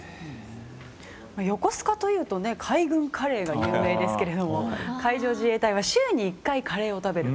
横須賀というと海軍カレーが有名ですけど海上自衛隊は週に１回カレーを食べる。